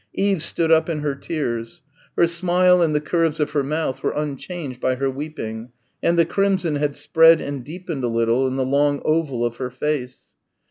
Eve stood up in her tears. Her smile and the curves of her mouth were unchanged by her weeping, and the crimson had spread and deepened a little in the long oval of her face.